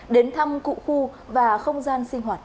đến thăm cụ khu và không gian sinh hoạt